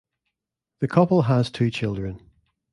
The couple has two children.